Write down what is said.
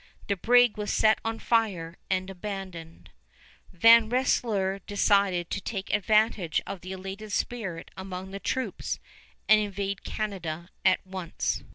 The brig was set on fire and abandoned. Van Rensselaer decided to take advantage of the elated spirit among the troops and invade Canada at once.